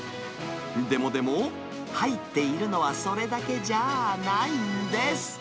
でもでも、入っているのはそれだけじゃあないんです。